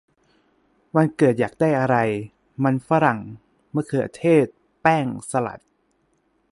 วันเกิดอยากได้อะไร ? : มันฝรั่ง มะเขือเทศ แป้ง สลัด !